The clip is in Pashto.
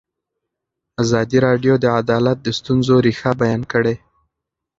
ازادي راډیو د عدالت د ستونزو رېښه بیان کړې.